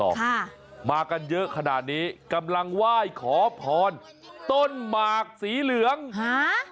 ค่ะมากันเยอะขนาดนี้กำลังไหว้ขอพรต้นหมากสีเหลืองฮะ